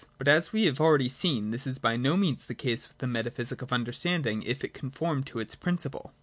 But, as ■we have already seen, this is by no means the case with the meta physic of understanding, if it conform to its principle.